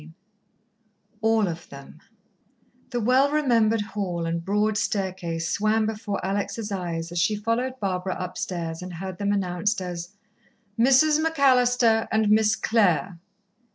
XXIV All of Them The well remembered hall and broad staircase swam before Alex' eyes as she followed Barbara upstairs and heard them announced as: "Mrs. McAllister and Miss Clare!"